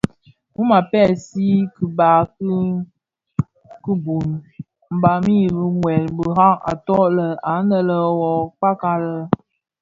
Mum a pèzi kiba le kibuň mdhami wuèl kurak atōg lè la nne wuo kpakpa lè u.